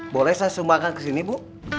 boleh saya sumbakan kesini bu